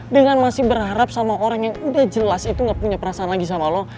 dengan masih berharap sama orang yang udah jelas itu gak punya perasaan lagi sama allah